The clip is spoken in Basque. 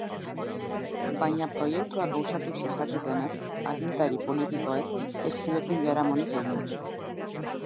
Baina proiektua gauzatu zezaketenek, agintari politikoek, ez zioten jaramonik egin.